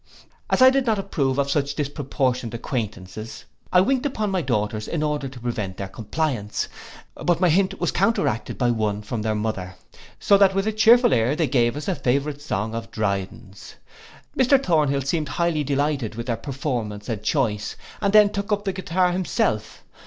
As I did not approve of such disproportioned acquaintances, I winked upon my daughters in order to prevent their compliance; but my hint was counteracted by one from their mother; so that with a chearful air they gave us, a favourite song of Dryden's. Mr Thornhill seemed highly delighted with their performance and choice, and then took up the guitar himself.